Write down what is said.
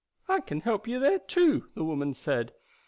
"I can help you there too," the woman said.